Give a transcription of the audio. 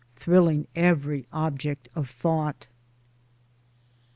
thrilling every object of thought.